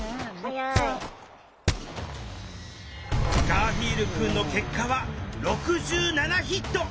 ガーフィールくんの結果は６７ヒット！